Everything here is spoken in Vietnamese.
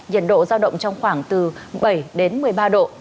nhiệt độ giao động trong khoảng từ bảy đến một mươi ba độ